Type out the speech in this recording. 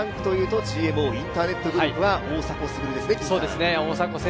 ３区というと、ＧＭＯインターネットグループの大迫傑選手ですね。